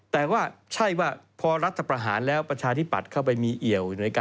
แต่ว่าใช่ว่าพอรัฐประหารแล้วประชาธิปัตย์เข้าไปมีเอี่ยว